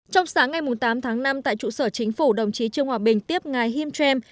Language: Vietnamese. trong sáng ngày tám tháng năm tại trụ sở chính phủ đồng chí trương hòa bình tiếp ngài him tram